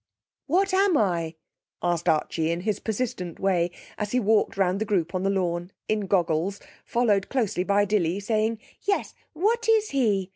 'What am I?' asked Archie, in his persistent way, as he walked round the group on the lawn, in goggles, followed closely by Dilly, saying, 'Yes, what is he?'